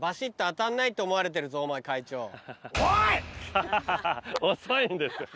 ハハハハ遅いんですよ